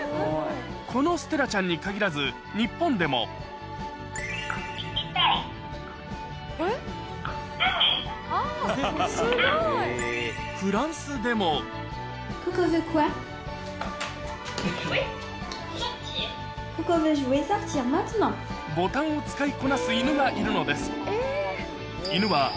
このステラちゃんに限らず日本でもボタンを使いこなすイヌがいるのです